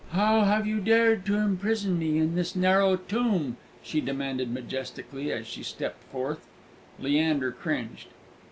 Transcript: "How have you dared to imprison me in this narrow tomb?" she demanded majestically, as she stepped forth. Leander cringed.